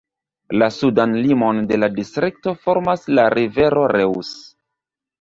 La sudan limon de la distrikto formas la rivero Reuss.